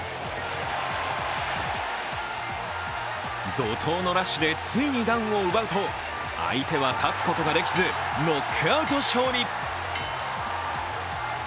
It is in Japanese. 怒とうのラッシュでついにダウンを奪うと、相手は立つことができずノックアウト勝利。